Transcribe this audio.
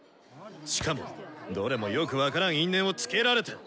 しかもどれもよく分からん因縁をつけられて！